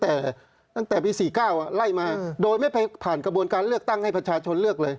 แต่ตั้งแต่ปี๔๙ไล่มาโดยไม่ผ่านกระบวนการเลือกตั้งให้ประชาชนเลือกเลย